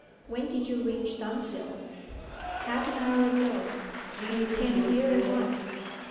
When did you reach Dunfield?' 'Half an hour ago.' 'And you came here at once.